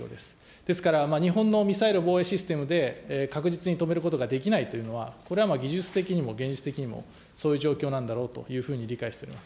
ですから日本のミサイル防衛システムで確実に止めることができないというのは、これは技術的にも現実的にもそういう状況なんだろうというふうに理解しております。